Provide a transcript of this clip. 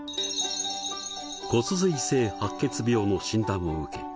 骨髄性白血病の診断を受け